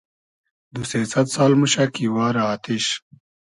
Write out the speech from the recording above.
دو سې سئد سال موشۂ کی وارۂ آتیش